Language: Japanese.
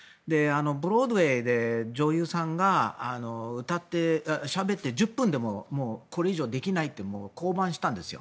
ブロードウェーで女優さんが歌ってしゃべって１０分でもこれ以上できないって降板したんです。